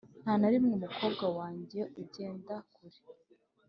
nta na rimwe, umukobwa wanjye ugenda kure